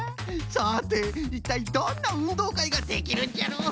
さていったいどんなうんどうかいができるんじゃろう？